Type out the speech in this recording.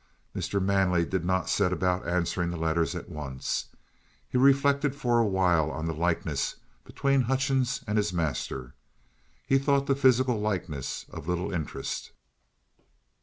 Mr. Manley did not set about answering the letters at once. He reflected for a while on the likeness between Hutchings and his master. He thought the physical likeness of little interest.